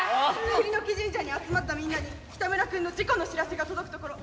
栗の木神社に集まったみんなにキタムラ君の事故の知らせが届くところ。